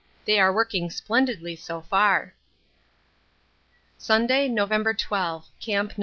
They are working splendidly so far. Sunday, November 12. Camp 9.